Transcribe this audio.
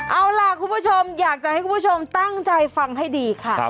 เอาล่ะคุณผู้ชมอยากจะให้คุณผู้ชมตั้งใจฟังให้ดีค่ะ